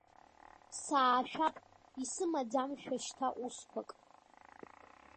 Саашәап исымаӡамшәа шьҭа усқәак.